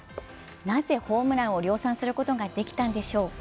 なぜホームランを量産することができたんでしょうか。